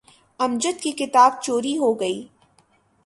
امجد کی کتاب چوری ہو گئی۔